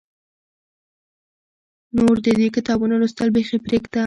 نور د دې کتابونو لوستل بیخي پرېږده.